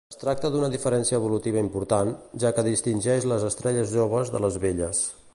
Es tracta d'una diferència evolutiva important, ja que distingeix les estrelles joves de les velles.